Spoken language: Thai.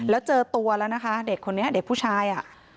แล้วเจอตัวแล้วนะคะเด็กคนนี้เด็กผู้ชายอ่ะ